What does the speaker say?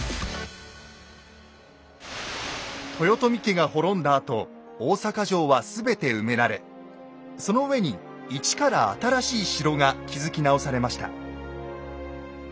豊臣家が滅んだあと大坂城は全て埋められその上に一から新しい城が築き直されました。